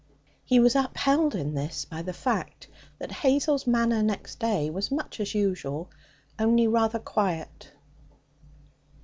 He was upheld in this by the fact that Hazel's manner next day was much as usual, only rather quiet.